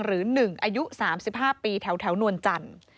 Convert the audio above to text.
หรือ๑อายุ๓๕ปีแถวนวลจันทร์